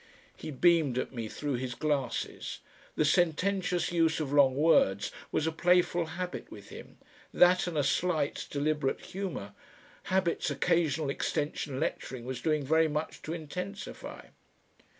He beamed at me through his glasses. The sententious use of long words was a playful habit with him, that and a slight deliberate humour, habits occasional Extension Lecturing was doing very much to intensify.